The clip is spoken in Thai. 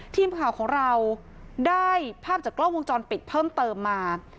ทีมข่าวของเราได้ภาพจากกล้องวงจรปิดเพิ่มเติมมา